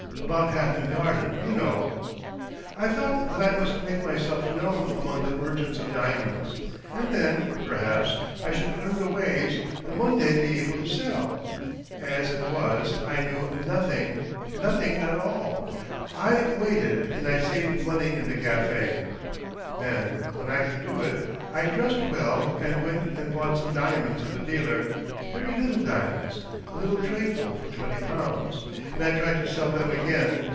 About Hatton Garden, you know." "I thought that I must make myself known among the merchants of diamonds, and then, perhaps, I should learn the ways, and one day be able to sell. As it was, I knew nothing —• CASE OF THE " MIEROR OF rORTUGAL" 125 nothing at all. I waited, and I saved money in the cafe. Then, when I could do it, I dressed well and went and bought some diamonds of a dealer — very little diamonds, a little trayful for twenty pounds, and I try to sell them again.